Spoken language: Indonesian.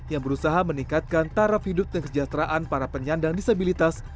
yang berusaha meningkatkan taraf hidup dan kesejahteraan para penyandang disabilitas